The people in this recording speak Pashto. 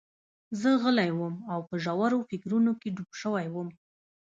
زه غلی وم او په ژورو فکرونو کې ډوب شوی وم